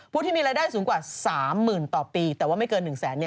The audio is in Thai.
ผู้ที่มีรายได้สูงกว่า๓๐๐๐ต่อปีแต่ว่าไม่เกิน๑แสน